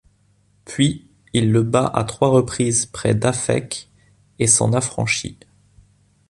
Puis il le bat à trois reprises près d'Aphek et s'en affranchit.